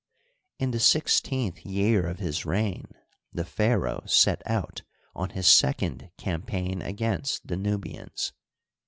In the sixteenth year of his reign the pharaoh set out on his second cam paign against the Nubians.